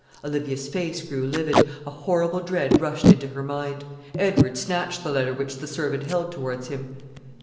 Olivia's face grew livid; a horrible dread rushed into her mind. Edward snatched the letter which the servant held towards him.